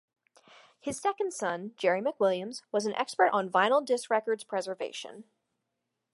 His second son, Jerry McWilliams, was an expert on vinyl disc records preservation.